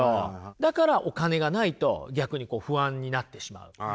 だからお金がないと逆にこう不安になってしまうっていう。